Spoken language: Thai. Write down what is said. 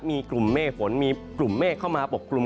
มีกลุ่มเมฆฝนมีกลุ่มเมฆเข้ามาปกกลุ่ม